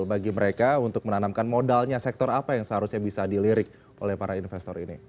bagi mereka untuk menanamkan modalnya sektor apa yang seharusnya bisa dilirik oleh para investor ini